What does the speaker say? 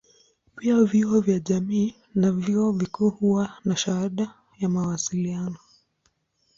Pia vyuo vya jamii na vyuo vikuu huwa na shahada ya mawasiliano.